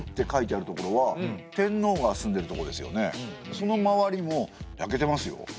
その周りも焼けてますよ。